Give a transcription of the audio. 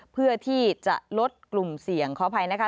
เพื่อที่จะลดกลุ่มเสี่ยงขออภัยนะคะ